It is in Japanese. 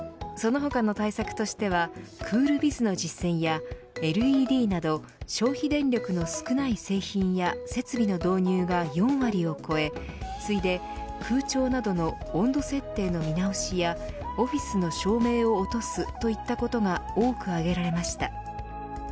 その他の対策としてはクールビズの実践やＬＥＤなど消費電力の少ない製品や設備の導入が４割を超え次いで、空調などの温度設定の見直しやオフィスの照明を落とすといったことが多く挙げられました。